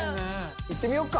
いってみようか。